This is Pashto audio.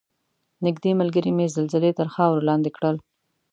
نږدې ملګرې مې زلزلې تر خاورو لاندې کړل.